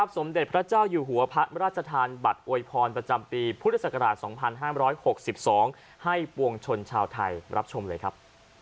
สมเด็จพระเจ้าอยู่หัวพระราชทานบัตรอวยพรประจำปีพุทธศักราช๒๕๖๒ให้ปวงชนชาวไทยรับชมเลยครับ